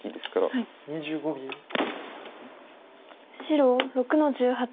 白６の十八。